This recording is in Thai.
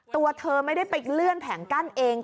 ตัวเธอไม่ได้ไปเลื่อนแผงกั้นเอง